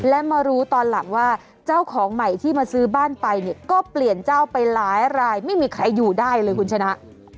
และมารู้ตอนหลังว่าเจ้าของใหม่ที่มาซื้อบ้านไปเนี่ยก็เปลี่ยนเจ้าไปหลายรายไม่มีใครอยู่ได้เลยคุณชนะ